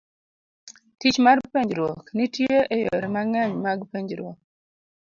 Tich mar penjruok .nitie e yore mang'eny mag penjruok.